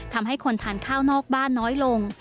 ทำให้คนทานข้าวนอกบ้านน้อยลง